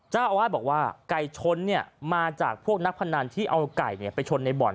เจ้าอาวาสบอกว่าไก่ชนมาจากพวกนักพนันที่เอาไก่ไปชนในบ่อน